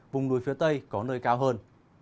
vùng núi phía tây có nơi cao hơn